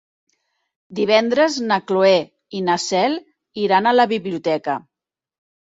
Divendres na Cloè i na Cel iran a la biblioteca.